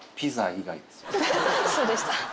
そうでした。